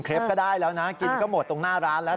ก็ได้แล้วนะกินก็หมดตรงหน้าร้านแล้ว